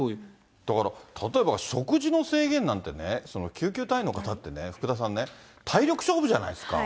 だから例えば食事の制限なんてね、救急隊員の方ってね、福田さんね、体力勝負じゃないですか。